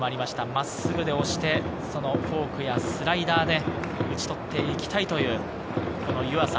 真っすぐで押して、フォークやスライダーで打ち取っていきたいという湯浅。